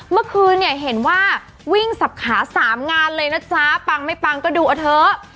เมื่อคืนเนี่ยเห็นว่าวิ่งสับขา๓งานเลยนะจ๊ะปังไม่ปังก็ดูเอาเถอะ